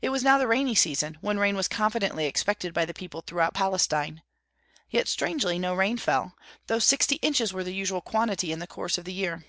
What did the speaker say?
It was now the rainy season, when rain was confidently expected by the people throughout Palestine. Yet strangely no rain fell, though sixty inches were the usual quantity in the course of the year.